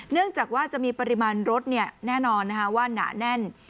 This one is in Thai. เนื่องจากว่าจะมีปริมาณรถแน่นอนว่าหนาแน่น